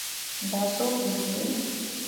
دا څو کیږي؟